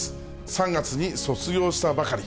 ３月に卒業したばかり。